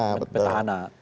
yang diberikan oleh petahana